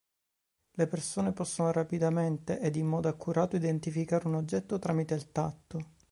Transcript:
Le persone possono rapidamente ed in modo accurato identificare un oggetto tramite il tatto.